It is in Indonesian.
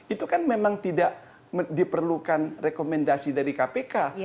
itu kan memang tidak diperlukan rekomendasi dari kpk